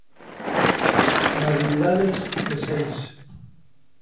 Variedades de seis